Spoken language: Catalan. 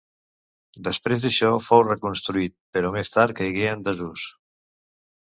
Després d'això fou reconstruït, però més tard caigué en desús.